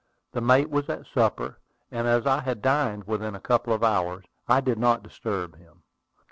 The mate was at supper; and as I had dined within a couple of hours, I did not disturb him.